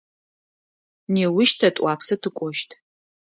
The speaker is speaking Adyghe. Неущ тэ Тӏуапсэ тыкӏощт.